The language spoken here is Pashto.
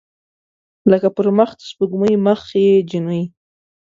لکه پر مخ د سپوږمۍ مخې جینۍ